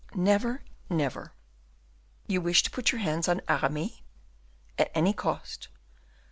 "Never, never!" "You wish to put your hands on Aramis?" "At any cost!"